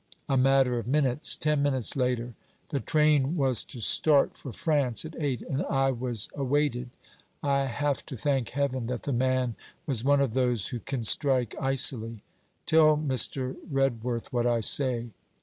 A matter of minutes. Ten minutes later! The train was to start for France at eight, and I was awaited. I have to thank heaven that the man was one of those who can strike icily. Tell Mr. Redworth what I say.